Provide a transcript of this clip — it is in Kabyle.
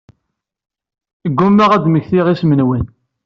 Ggummaɣ ad mmektiɣ isem-nwen.